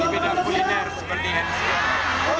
di bidang kuliner seperti hensia